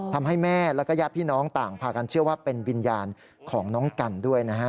ทำให้แม่แล้วก็ญาติพี่น้องต่างพากันเชื่อว่าเป็นวิญญาณของน้องกันด้วยนะฮะ